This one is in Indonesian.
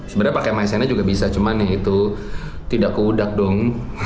sebenarnya pakai maizena juga bisa cuman itu tidak keudak dong